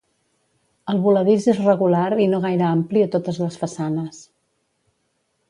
El voladís és regular i no gaire ampli a totes les façanes.